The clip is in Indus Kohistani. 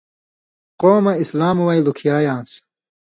قومہ اِسلام وَیں لُکھیایان٘س۔